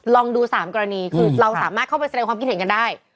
ลองดู๓กรณีคือเราสามารถเข้าไปแสดงความคิดเห็นกันได้